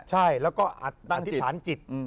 ใช่แล้วก็อธิษฐานจิต